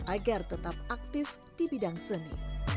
agar tetap aktif di bidang seni